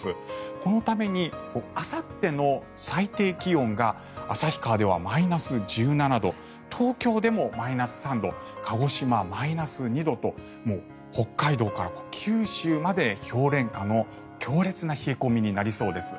このためにあさっての最低気温が旭川ではマイナス１７度東京でもマイナス３度鹿児島、マイナス２度ともう北海道から九州まで氷点下の強烈な冷え込みになりそうです。